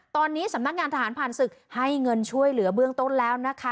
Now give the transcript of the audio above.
ตอนนี้สำนักงานทหารผ่านศึกให้เงินช่วยเหลือเบื้องต้นแล้วนะคะ